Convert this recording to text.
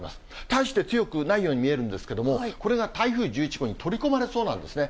大して強くないように見えるんですけれども、これが台風１１号に取り込まれそうなんですね。